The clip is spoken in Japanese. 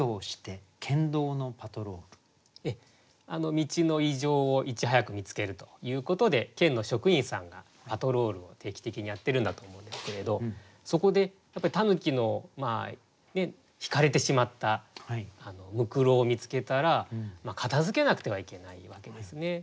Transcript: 道の異常をいち早く見つけるということで県の職員さんがパトロールを定期的にやってるんだと思うんですけれどそこでやっぱり狸のひかれてしまったむくろを見つけたら片づけなくてはいけないわけですね。